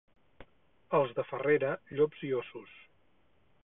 Els de Farrera, llops i óssos.